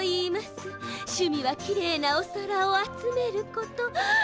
しゅみはきれいなおさらをあつめること。